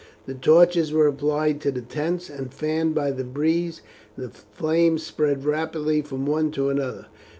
The torches were applied to the tents, and fanned by the breeze, the flames spread rapidly from one to another.